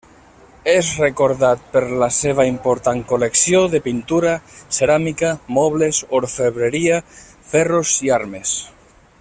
És recordat per la seva important col·lecció de pintura, ceràmica, mobles, orfebreria, ferros i armes.